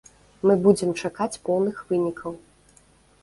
Мы будзем чакаць поўных вынікаў.